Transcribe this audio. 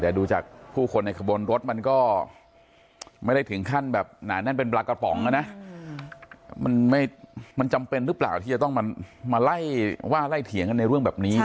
แต่ดูจากผู้คนในขบวนรถมันก็ไม่ได้ถึงขั้นแบบหนาแน่นเป็นปลากระป๋องนะมันจำเป็นหรือเปล่าที่จะต้องมาไล่ว่าไล่เถียงกันในเรื่องแบบนี้